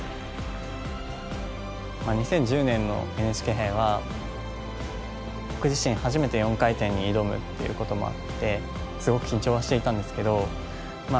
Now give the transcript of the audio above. ２０１０年のＮＨＫ杯は僕自身初めて４回転に挑むっていうこともあってすごく緊張はしていたんですけどまあ